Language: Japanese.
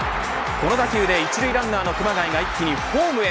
この打球で、１塁ランナーの熊谷が一気にホームへ。